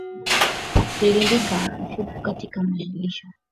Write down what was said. Kulindika mifugo katika malisho